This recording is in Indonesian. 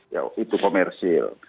ya itu komersil